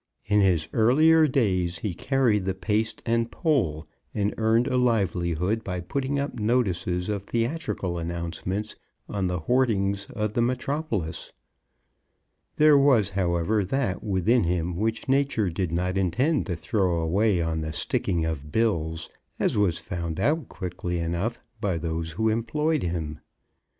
In his earlier days he carried the paste and pole, and earned a livelihood by putting up notices of theatrical announcements on the hoardings of the metropolis. There was, however, that within him which Nature did not intend to throw away on the sticking of bills, as was found out quickly enough by those who employed him.